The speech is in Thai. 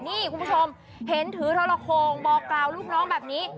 นี่คุณผู้ชมเห็นถือทรโคงบอกกล่าวลูกน้องแบบนี้